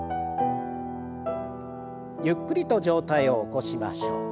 ゆっくりと上体を起こしましょう。